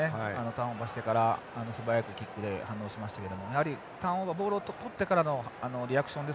ターンオーバーしてから素早くキックで反応しましたけどもやはりボールを捕ってからのリアクションですね。